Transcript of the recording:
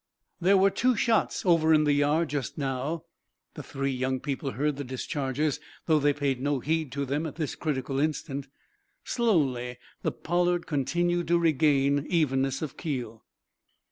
There were two shots over in the yard just now. The three young people heard the discharges, though they paid no heed to them at this critical instant. Slowly the "Pollard" continued to regain evenness of keel.